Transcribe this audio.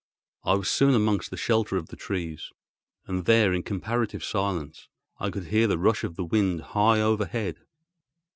I was soon amongst the shelter of the trees, and there, in comparative silence, I could hear the rush of the wind high overhead.